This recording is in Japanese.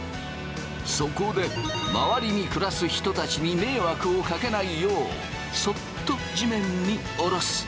そこで周りに暮らす人たちに迷惑をかけないようそっと地面に下ろす。